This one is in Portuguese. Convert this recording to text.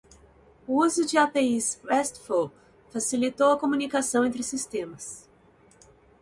O uso de APIs RESTful facilitou a comunicação entre sistemas.